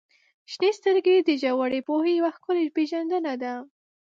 • شنې سترګې د ژورې پوهې یوه ښکلې پیژندنه ده.